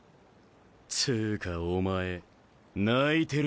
つかお前泣いてるぜ。